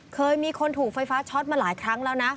เคยมีคนถูกไฟฟ้าช็อตมาหลายครั้งแล้วนะ